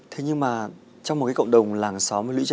thế nhưng mà trong một cộng đồng làng xóm